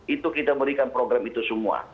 itu kita berikan program itu semua